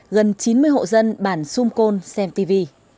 gần chín mươi hộ dân bản xung côn xem tivi